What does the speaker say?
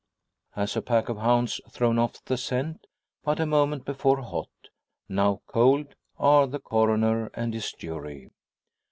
As a pack of hounds thrown off the scent, but a moment before hot, now cold, are the Coroner and his jury.